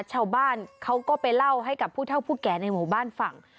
ชาวบ้านเขาก็ไปเล่าให้กับผู้เท่าผู้แก่ในหมู่บ้านฟัง